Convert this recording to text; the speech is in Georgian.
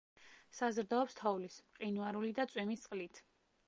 საზრდოობს თოვლის, მყინვარული და წვიმის წყლით.